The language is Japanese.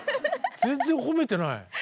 全然褒めてない。